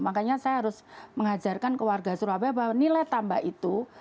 makanya saya harus mengajarkan ke warga surabaya bahwa nilai tambah itu